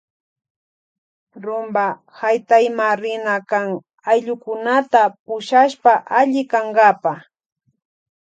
Rumpa haytayma rina kan ayllukunata pushashpa alli kankapa.